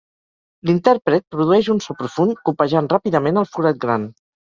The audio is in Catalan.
L'intèrpret produeix un so profund copejant ràpidament el forat gran.